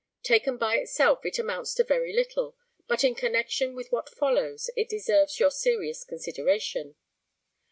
Taken by itself it amounts to very little, but in connexion with what follows it deserves your serious consideration.